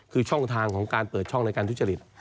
คือช่องทางของการเปิดช่องในการทุจริต